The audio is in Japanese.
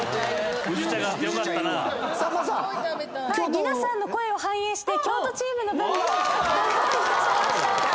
皆さんの声を反映して京都チームの分も用意いたしました！